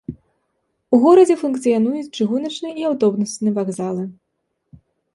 У горадзе функцыянуюць чыгуначны і аўтобусны вакзалы.